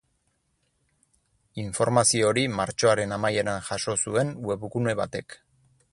Informazio hori martxoaren amaieran jaso zuen webgune batek.